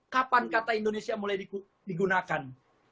kapan kata indonesia mulai digunakan